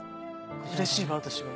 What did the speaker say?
うれしいわ私。